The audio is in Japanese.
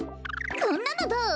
こんなのどう？